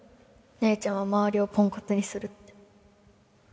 姉ちゃんは周りをポンコツにするって